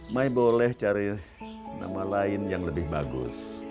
my boleh cari nama lain yang lebih bagus